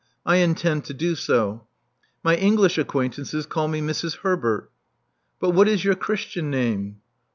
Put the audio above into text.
I intend to do so. My English acquaintances call me Mrs. Herbert." "But what is your Christian name?"